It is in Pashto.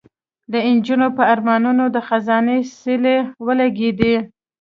د نجونو په ارمانونو د خزان سیلۍ ولګېده